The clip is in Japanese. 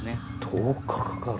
１０日かかる。